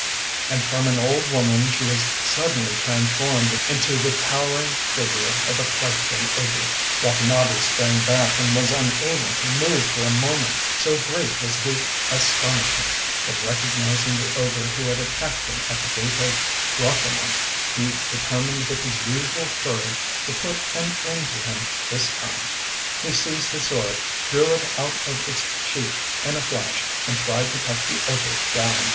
ŌĆØ And from an old woman she was suddenly transformed into the towering figure of the frightful ogre! Watanabe sprang back and was unable to move for a moment, so great was his astonishment; but recognizing the ogre who had attacked him at the Gate of Rashomon, he determined with his usual courage to put an end to him this time. He seized his sword, drew it out of its sheath in a flash, and tried to cut the ogre down.